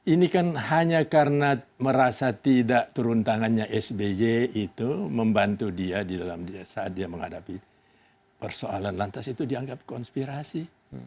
ini kan hanya karena merasa tidak turun tangannya sby itu membantu dia di dalam saat dia menghadapi persoalan lantas itu dianggap konspirasi